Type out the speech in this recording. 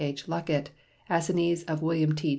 H. Luckett, assignees of William T.